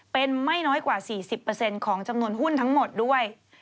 เป็นไม่น้อยกว่า๔๐ของจำนวนหุ้นทั้งหมดด้วย